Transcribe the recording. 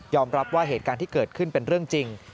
รับว่าเหตุการณ์ที่เกิดขึ้นเป็นเรื่องจริง